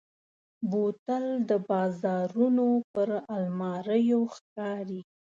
بوتل د بازارونو پر الماریو ښکاري.